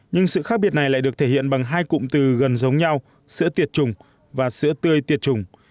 nhưng sự khác biệt này lại được thể hiện bằng hai cụm từ gần giống nhau sữa tiệt trùng và sữa tươi tiệt trùng